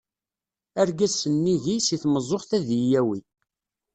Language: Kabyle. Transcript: Argaz sennig-i, si tmeẓẓuɣt ad yi-yawi.